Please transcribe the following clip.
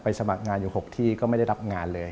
สมัครงานอยู่๖ที่ก็ไม่ได้รับงานเลย